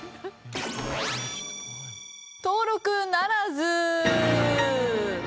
登録ならず。